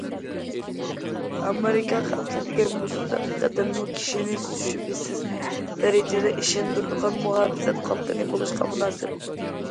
« ئامېرىكا خەلقى» دېگەن بۇ سۆز ھەقىقەتەنمۇ كىشىنى شۈبھىسىز دەرىجىدە ئىشەندۈرىدىغان مۇھاپىزەت قالقىنى بولۇشقا مۇناسىپ.